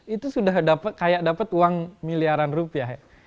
itu sudah kayak dapat uang miliaran rupiah ya